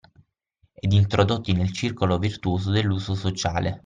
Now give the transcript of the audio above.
Ed introdotti nel circolo virtuoso dell’uso sociale